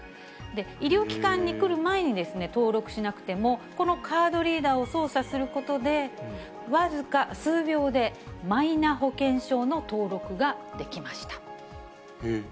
医療機関に来る前に、登録しなくても、このカードリーダーを操作することで、僅か数秒でマイナ保険証の登録ができました。